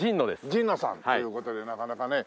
神野さん。という事でなかなかね。